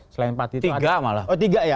selain pak tito tiga malah oh tiga ya